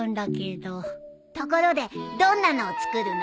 ところでどんなのを作るの？